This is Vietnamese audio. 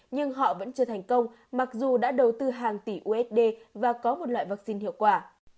nhưng họ vẫn chưa thành công mặc dù đã đầu tư hàng tỷ usd và có một loại vaccine hiệu quả